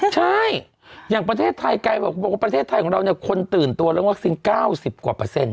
ใช่อย่างประเทศไทยไกลบอกว่าประเทศไทยของเราเนี่ยคนตื่นตัวเรื่องวัคซีน๙๐กว่าเปอร์เซ็นต